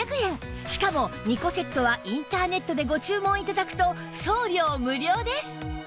しかも２個セットはインターネットでご注文頂くと送料無料です